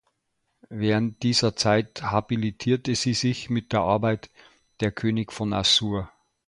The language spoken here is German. Während dieser Zeit habilitierte sie sich mit der Arbeit „Der König von Assur.